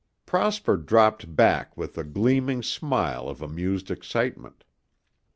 Prosper dropped back with a gleaming smile of amused excitement.